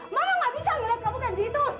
mama gak bisa melihat kamu kan jadi terus